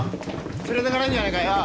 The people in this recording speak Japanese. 連れていかれるじゃねえかよ。